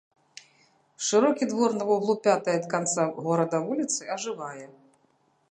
Шырокі двор на вуглу пятай ад канца горада вуліцы ажывае.